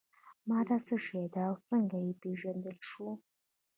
ماده څه شی ده او څنګه یې پیژندلی شو.